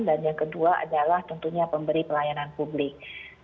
dan yang kedua adalah tentunya pemberi pelayanan publik